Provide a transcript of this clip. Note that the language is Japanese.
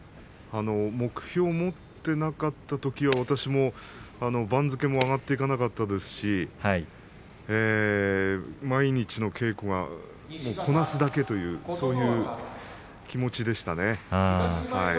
目標を持っていなかったときは私も番付も上がっていかなかったですし、毎日の稽古がこなすだけというそういう気持ちでしたね。